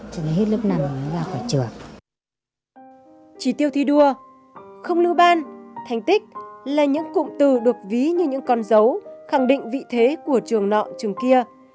chỉ tiêu thi đua không lưu ban thành tích là những cụm từ được ví như những con dấu khẳng định vị thế của trường nọ trường kia